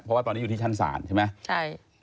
เพราะว่าตอนนี้อยู่ที่ชั้นศาลใช่ไหมใช่